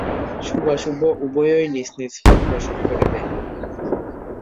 শুভাশুভ উভয়ই নিজ নিজ ফল প্রসব করিবে।